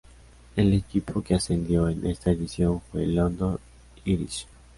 El equipo que ascendió en esta edición fue London Irish.